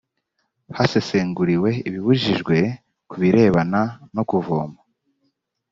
hasesenguriwe ibibujijwe ku birebana no kuvoma